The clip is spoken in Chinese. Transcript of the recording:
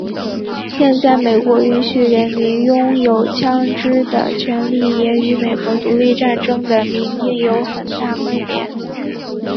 现在美国允许人民拥有枪枝的权利也与美国独立战争的民兵有很大关联。